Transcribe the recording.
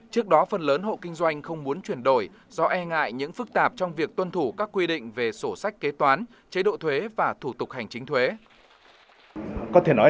trước đó phần lớn hộ kinh doanh không muốn chuyển đổi do e ngại những phức tạp trong việc tuân thủ các quy định về sổ sách kế toán chế độ thuế và thủ tục hành chính thuế